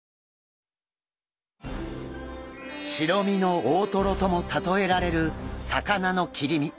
白身の大トロとも例えられる魚の切り身。